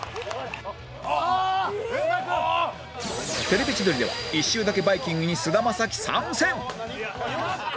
『テレビ千鳥』では一周だけバイキング！！に菅田将暉参戦！